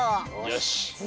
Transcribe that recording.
よし。